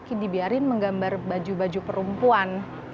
sinta juga mencoba menggambar baju baju perempuan